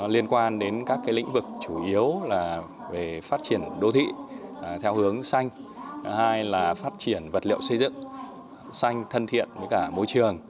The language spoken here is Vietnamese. liên quan đến các lĩnh vực chủ yếu là phát triển đô thị theo hướng xanh phát triển vật liệu xây dựng xanh thân thiện với cả môi trường